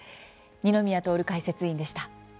二宮徹解説委員でした。